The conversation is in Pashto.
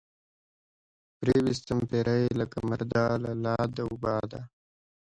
پرې ويستم پيرۍ لکه مرده لۀ لاد وباده